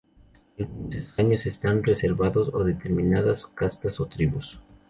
Algunos escaños están reservados a determinadas castas o tribus.